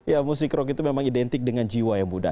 ya musik rocky itu memang identik dengan jiwa yang muda